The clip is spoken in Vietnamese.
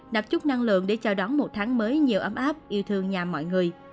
nạp chút năng lượng để chào đón một tháng mới nhiều ấm áp yêu thương nhà mọi người